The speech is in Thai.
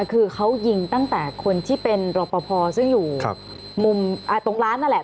คือเขายิงตั้งแต่คนที่เป็นรอปภซึ่งอยู่มุมตรงร้านนั่นแหละ